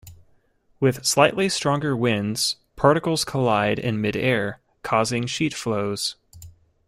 With slightly stronger winds, particles collide in mid-air, causing sheet flows.